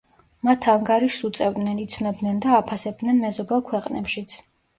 მათ ანგარიშს უწევდნენ, იცნობდნენ და აფასებდნენ მეზობელ ქვეყნებშიც.